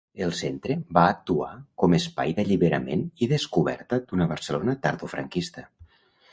El centre va actuar com espai d'alliberament i descoberta d'una Barcelona tardofranquista.